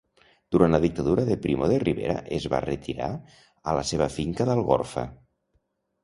Durant la Dictadura de Primo de Rivera es va retirar a la seva finca d'Algorfa.